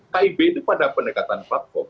kib itu pada pendekatan platform